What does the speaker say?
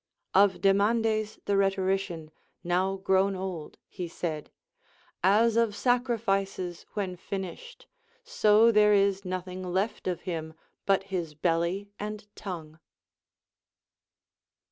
Of Demades the rhetorician, now grown old, he said : As of sacrifices when finished, so there is nothing left of him but his belly and tongue.